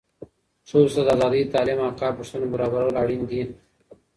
ښځو ته د آزادۍ، تعلیم او کار فرصتونه برابرول اړین دي.